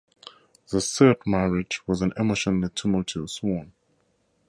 The Sert marriage was an emotionally tumultuous one.